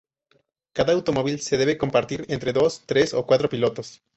Cada automóvil se debe compartir entre dos, tres o cuatro pilotos.